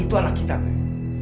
itu anak kita pak